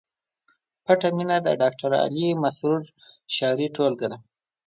پټه مینه د ډاکټر علي مسرور شعري ټولګه ده